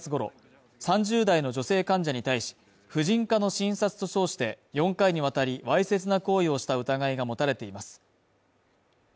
容疑者は、おととし１０月ごろ、３０代の女性患者に対し、婦人科の診察と称して、４回にわたり、わいせつな行為をした疑いが持たれています。